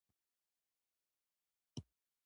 ډیپلوماسي تل د خبرو اترو دروازې خلاصوي.